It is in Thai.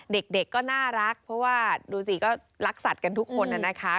เด็กก็น่ารักเพราะว่าดูสิก็รักสัตว์กันทุกคนนะคะ